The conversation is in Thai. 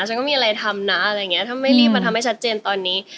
ฉันก็มีอะไรทำนะอะไรอย่างนี้ถ้าไม่รีบมาทำให้ชัดเจนตอนนี้